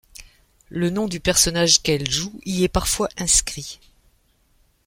Le nom du personnage qu'elle joue y est parfois inscrit.